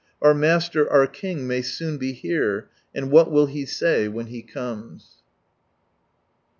Our Master, our King may soon be here, and what will He say when He comes